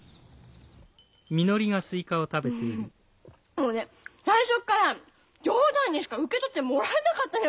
もうね最初っから冗談にしか受け取ってもらえなかったのよ